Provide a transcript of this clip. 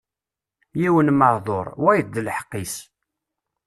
Yiwen meɛduṛ, wayeḍ d lḥeqq-is.